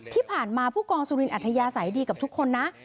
ที่ผ่านมาผู้กองสุรินอัธยาใส่ดีกับทุกคนนะ